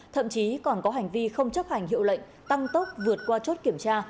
thậm chí còn có hành vi không chấp hành hiệu lệnh tăng tốc vượt qua chốt kiểm tra